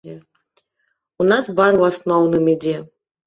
У нас бар у асноўным ідзе.